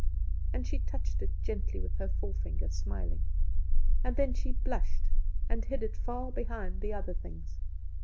And she touched it gently with her forefinger, smiling; and then she blushed and hid it far behind the other things.